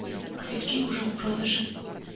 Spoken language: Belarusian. Квіткі ўжо ў продажы.